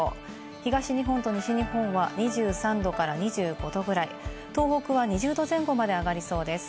東日本と西日本は２３度から２５度ぐらい、東北は２０度前後まで上がりそうです。